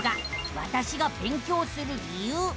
「わたしが勉強する理由」。